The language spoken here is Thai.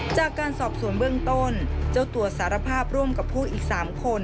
จากการสอบสวนเบื้องต้นเจ้าตัวสารภาพร่วมกับผู้อีก๓คน